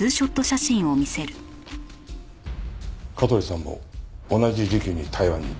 香取さんも同じ時期に台湾に行っていた。